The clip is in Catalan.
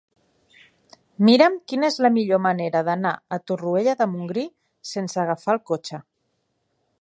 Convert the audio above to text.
Mira'm quina és la millor manera d'anar a Torroella de Montgrí sense agafar el cotxe.